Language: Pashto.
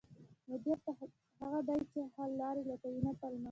مدیر هغه دی چې حل لارې لټوي، نه پلمه